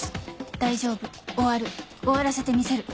大丈夫終わる終わらせてみせる！